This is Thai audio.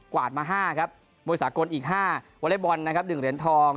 กวาดมาห้าครับมวลิสาหกลอีกห้าวอเลฟบอลนะครับหนึ่งเหรียญทอง